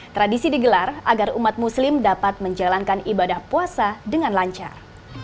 tradisi digelar agar umat muslim dapat menjalankan ibadah puasa dengan lancar